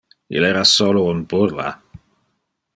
Il era solo un burla.